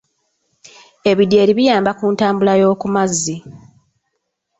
Ebidyeri biyamba ku ntambula yo kumazzi.